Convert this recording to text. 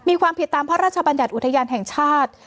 มีความผิดตามพระราชบัญญัติอุทยานแห่งชาติ